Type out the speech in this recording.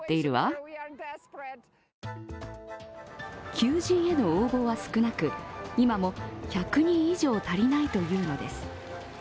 求人への応募は少なく、今も１００人以上足りないというのです。